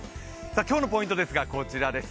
今日のポイントですが、こちらです。